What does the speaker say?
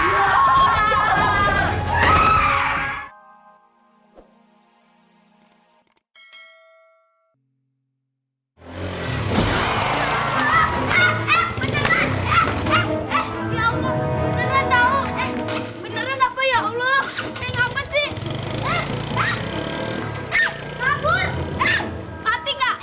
eh eh beneran eh eh eh ya allah beneran tau eh beneran apa ya allah eh ngapas sih eh eh kabur eh mati kak eh